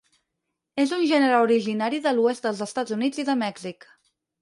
És un gènere originari de l'oest dels Estats Units i de Mèxic.